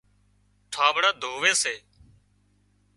ٺانٻڙان ڌووي سي۔